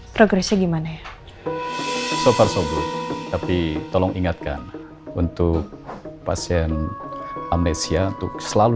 progresi gimana so far so good tapi tolong ingatkan untuk pasien amnesia untuk selalu